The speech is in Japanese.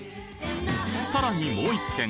さらにもう一軒